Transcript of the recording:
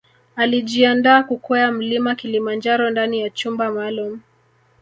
Alijiandaa kukwea Mlima Kilimanjaro ndani ya chumba maalum